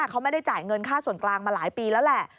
เขาไม่ได้จ่ายเงินค่าส่วนกลางมาหลายปีแล้วแหละ